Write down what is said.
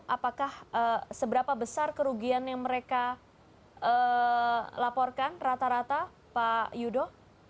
apakah seberapa besar kerugian yang mereka laporkan rata rata pak yudo